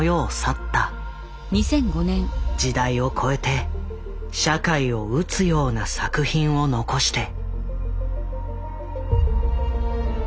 時代を超えて社会を撃つような作品を残して。